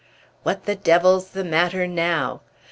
"What the devil's the matter now?"